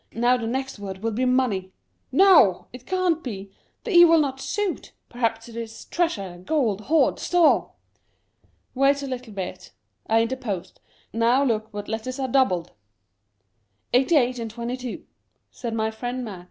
" Now the next word will be money. No ! it can't be, the e will not suit ; perhaps it is treasure, gold, hoard, store." "Wait a little bit," I interposed. "Now look what letters are doubled." "88 and 22," said my friend Mat.